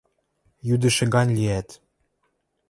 Йӱдӹшӹ гань лиӓт